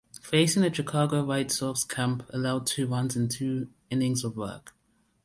Facing the Chicago White Sox, Camp allowed two runs in two innings of work.